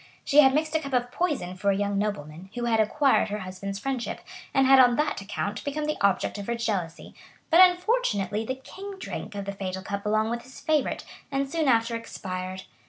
She had mixed a cup of poison for a young nobleman, who had acquired her husband's friendship, and had on that account become the object of her jealousy; but unfortunately the king drank of the fatal cup along with his favorite, and soon after expired.